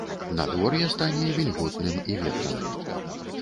Надвор'е стане вільготным і ветраным.